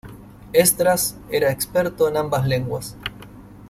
Esdras era experto en ambas lenguas.